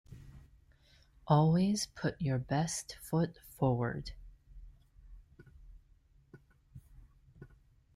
Always put your best foot forward.